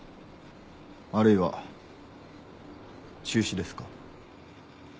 あるいは中止ですか？